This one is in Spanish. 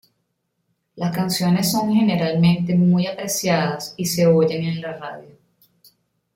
Las canciones son generalmente muy apreciadas y se oyen en la radio.